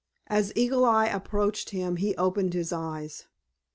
As Eagle Eye approached him he opened his eyes.